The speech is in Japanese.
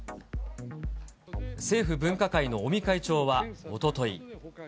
政府分科会の尾身会長はおととい。